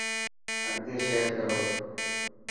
اگتي شيئر ڪرو.